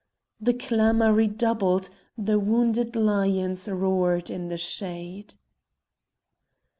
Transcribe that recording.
The clamour redoubled; the wounded lions roared in the shade.